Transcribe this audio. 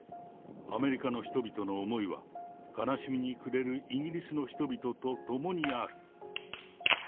アメリカの人々の思いは、悲しみに暮れるイギリスの人々と共にある。